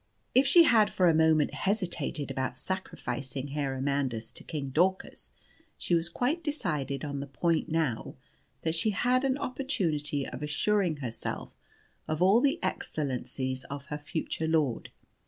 If she had for a moment hesitated about sacrificing Herr Amandus to King Daucus, she was quite decided on the point now that she had an opportunity of assuring herself of all the excellencies of her future lord.